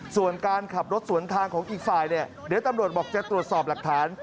ส่วนการขับรถสวนทางของอีกฝ่ายเนี่ยเดี๋ยวตำรวจบอกจะตรวจสอบหลักฐาน